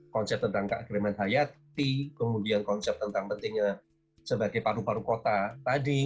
konsep tentang keagremen hayati kemudian konsep tentang pentingnya sebagai paru paru kota tadi